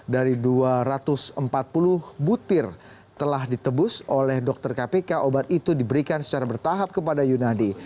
dari dua ratus empat puluh butir telah ditebus oleh dokter kpk obat itu diberikan secara bertahap kepada yunadi